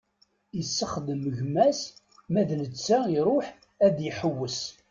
Isexdem gma-s, ma d netta iṛuḥ ad iḥewwes.